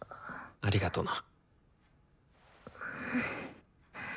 ありがとな。